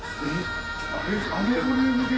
あのボリュームで。